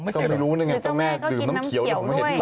ไม่รู้เลยไงเจ้าแม่ดื่มน้ำเขียวด้วย